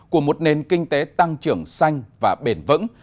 của một nền kinh tế tăng trưởng xanh và bền vững